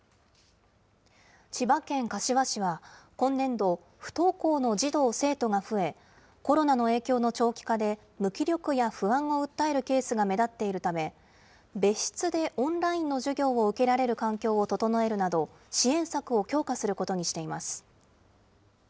千葉県柏市は、今年度、不登校の児童・生徒が増え、コロナの影響の長期化で無気力や不安を訴えるケースが目立っているため、別室でオンラインの授業を受けられる環境を整えるなど、支援策を強化することにしています。